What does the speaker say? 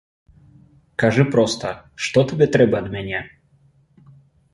Кажы проста, што табе трэба ад мяне?